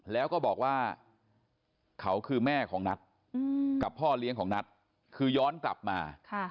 แล้วก็บอกว่าเขาคือแม่ของนัทกับพ่อเลี้ยงของนัทคือย้อนกลับมา